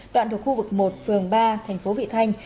đoạn thuộc khu vực một phường ba thành phố vị thanh